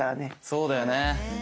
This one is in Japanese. そうだよね。